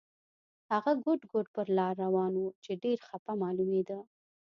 هغه ګوډ ګوډ پر لار روان و چې ډېر خپه معلومېده.